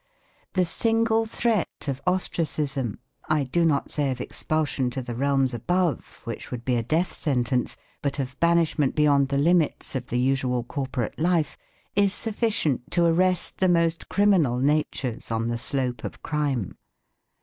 The single threat of ostracism, I do not say of expulsion to the realms above, which would be a death sentence, but of banishment beyond the limits of the usual corporate life, is sufficient to arrest the most criminal natures on the slope of crime.